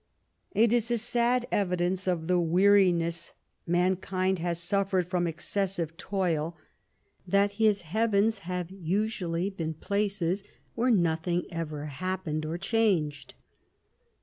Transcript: It is a sad evidence of the weariness mankind has suffered from excessive toil that his heavens have usually been places where nothing ever happened or changed.